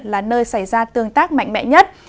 là nơi xảy ra tương tác mạnh mẽ nhất